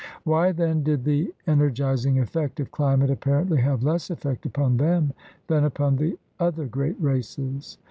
Why, then, did the ener gizing effect of climate apparently have less effect upon them than upon the other great races.?